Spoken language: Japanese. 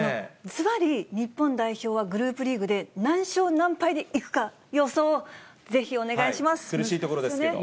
ずばり、日本代表はグループリーグで何勝何敗でいくか、苦しいところですけど。